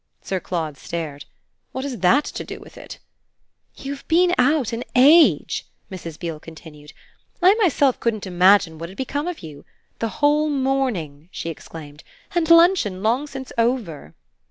Sir Claude stared. "What has that to do with it?" "You've been out an age," Mrs. Beale continued; "I myself couldn't imagine what had become of you. The whole morning," she exclaimed, "and luncheon long since over!"